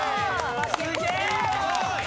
すげえ！